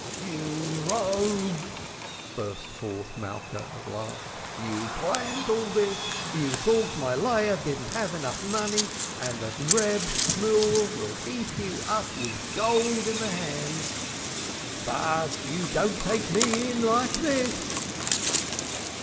"You rogue!" burst forth Malka at last. "You planned all this you thought my Leah didn't have enough money, and that Reb Shemuel will heap you up gold in the hands. But you don't take me in like this."